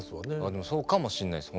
でもそうかもしんないです。